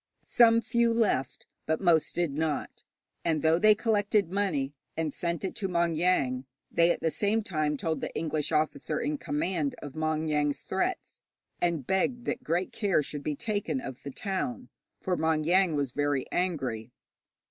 Some few left, but most did not, and though they collected money, and sent it to Maung Yaing, they at the same time told the English officer in command of Maung Yaing's threats, and begged that great care should be taken of the town, for Maung Yaing was very angry.